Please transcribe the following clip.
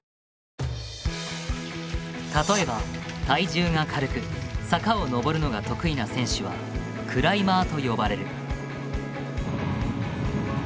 例えば体重が軽く坂を上るのが得意な選手は「クライマー」と呼ばれる。